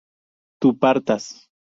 tú partas